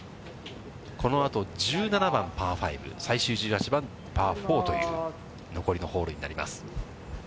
このあと、１７番パー５、最終１８番、パー４という残りのホールになります。